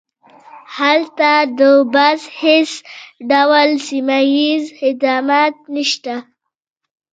هلته د بس هیڅ ډول سیمه ییز خدمات نشته